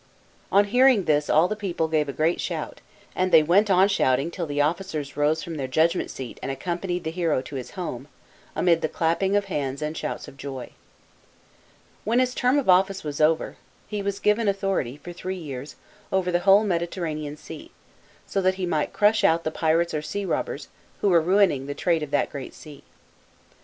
On hearing this all the people gave a great shout, and they went on shouting, till the officers rose from their judgment seat and accompanied the hero to his home, amid the clapping of hands and shouts of joy. When his term of office was over he wa6 giver} authority, for three years, over the whole Mediter ranean Sea, so that he might crush out the pirates or sea robbers, who were ruining the trade of that great sea.